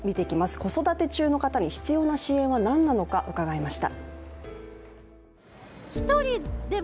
子育て中の方に必要な支援は何なのか伺いました。